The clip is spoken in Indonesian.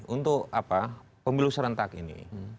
untuk pemilu serentak ini